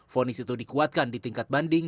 fonis itu dikuatkan di tingkat banding